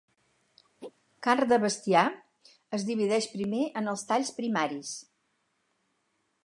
Carn de bestiar es divideix primer en els talls primaris.